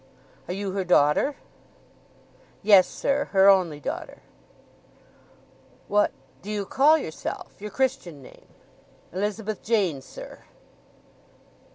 "Are you her daughter?" "Yes, sir—her only daughter." "What—do you call yourself—your Christian name?" "Elizabeth Jane, sir."